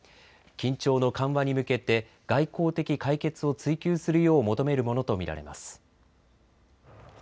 緊張の緩和に向けて外交的解決を追求するよう求めるものと見られます。